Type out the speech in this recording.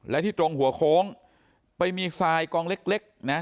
และที่ตรงหัวโค้งไปมีทรายกองเล็กนะ